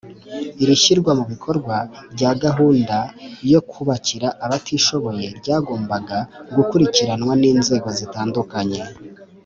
Iri shyirwa mu bikorwa rya gahunda yo kubakira abatishoboye ryagombaga gukurikiranwa n inzego zitandukanye